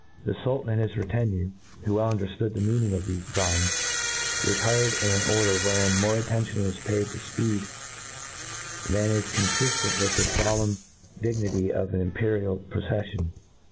The Sultan and his retinue, who well undcrtlood the meaning of thefe figns, retired in an order wherein more attention was paid to Ipced than is confiflent with the folemn dignity of an impe rial proceffion.